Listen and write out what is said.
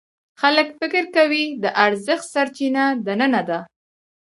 خلک فکر کوي د ارزښت سرچینه دننه ده.